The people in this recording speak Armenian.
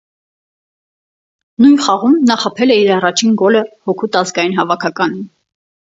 Նույն խաղում նա խփել է իր առաջին գոլը հօգուտ ազգային հավաքականի։